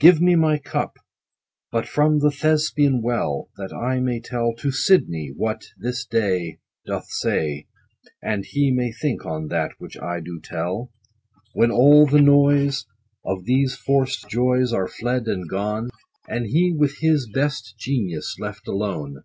Give me my cup, but from the Thespian well, That I may tell to SIDNEY what This day Doth say, And he may think on that Which I do tell ; When all the noise Of these forced joys, Are fled and gone, 10 And he with his best Genius left alone.